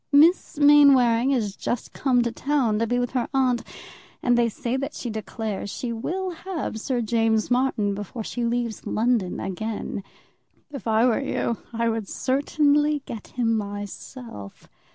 Miss Mainwaring is just come to town to be with her aunt, and they say that she declares she will have Sir James Martin before she leaves London again. If I were you, I would certainly get him myself.